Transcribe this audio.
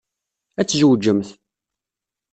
Ad tzewjemt.